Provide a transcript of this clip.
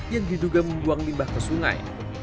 yang diduga membuang limbah ke sungai